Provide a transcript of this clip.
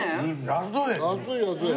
安い安い。